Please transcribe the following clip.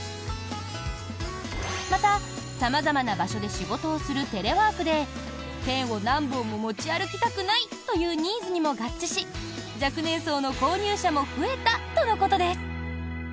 また、様々な場所で仕事をするテレワークでペンを何本も持ち歩きたくないというニーズにも合致し若年層の購入者も増えたとのことです。